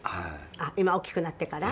今、大きくなってから？